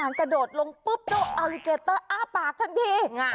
เท่านั้นกระโดดลงปุ๊บเจ้าอัลลิเก็ตเตอร์อ้าปากทันที